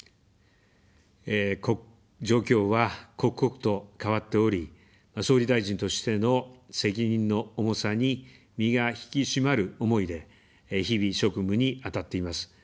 状況は刻々と変わっており、総理大臣としての責任の重さに、身が引き締まる思いで、日々、職務に当たっています。